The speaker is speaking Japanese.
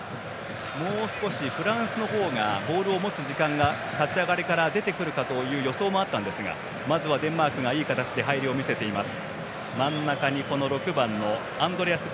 もう少しフランスの方がボールを持つ時間が立ち上がりから出てくるかという予想もあったんですがまずはデンマークがいい形で入りを見せています。